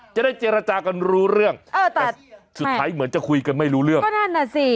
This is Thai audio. จะได้เจรจากันรู้เรื่องเออแต่สุดท้ายเหมือนจะคุยกันไม่รู้เรื่องก็นั่นน่ะสิ